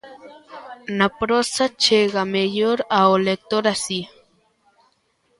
Na prosa, chega mellor ao lector así.